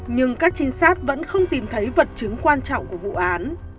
nhưng các trinh sát vẫn không tìm thấy vật chứng quan trọng của vụ án